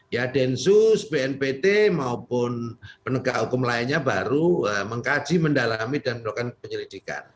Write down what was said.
ya densus bnpt maupun penegak hukum lainnya baru mengkaji mendalami dan melakukan penyelidikan